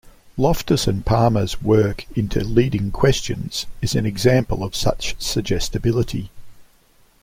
Loftus and Palmer's work into leading questions is an example of such suggestibility.